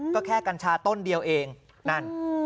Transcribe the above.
ก็แค่กัญชาต้นเดียวเองนั่น